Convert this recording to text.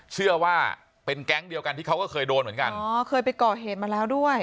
เชื่อว่าเป็นแก๊งเดียวกันที่เขาก็เคยโดนเหมือนกันอ๋อเคยไปก่อเหตุมาแล้วด้วย